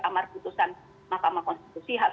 amar putusan mahkamah konstitusi